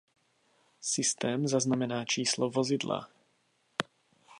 Systém zaznamená číslo vozidla.